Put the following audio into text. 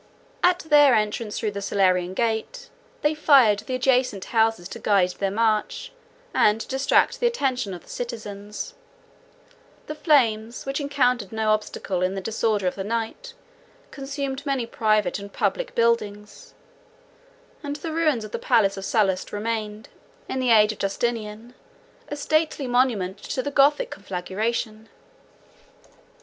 At their entrance through the Salarian gate, they fired the adjacent houses to guide their march, and to distract the attention of the citizens; the flames, which encountered no obstacle in the disorder of the night, consumed many private and public buildings; and the ruins of the palace of Sallust 105 remained, in the age of Justinian, a stately monument of the Gothic conflagration.